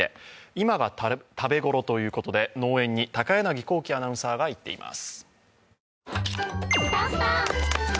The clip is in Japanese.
今が食べ頃ということで農園に高柳光希アナウンサーが行っています。